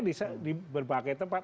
di berbagai tempat